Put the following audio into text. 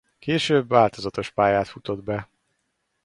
Később változatos pályát futott be.